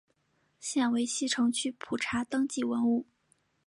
现为西城区普查登记文物。